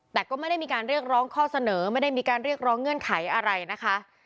แต่ก็ไม่ได้มีการเรียกร้องข้อเสนอไม่ได้มีการเรียกร้องเงื่อนไขอะไรนะคะ